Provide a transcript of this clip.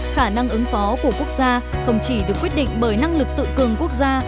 khả năng ứng phó của quốc gia không chỉ được quyết định bởi năng lực tự cường quốc gia